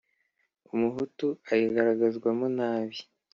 Umuhutu ayigaragazwamo nabi